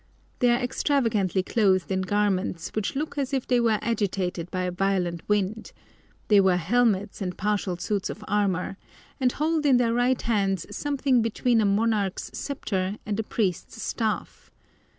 They are extravagantly clothed in garments which look as if they were agitated by a violent wind; they wear helmets and partial suits of armour, and hold in their right hands something between a monarch's sceptre and a priest's staff.